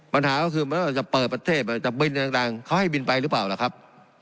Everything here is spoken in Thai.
ปัญหาก็คือไม่ว่าจะเปิดประเทศจะบินต่างเขาให้บินไปหรือเปล่าล่ะครับ